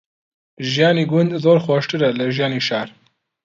ژیانی گوند زۆر خۆشترە لە ژیانی شار.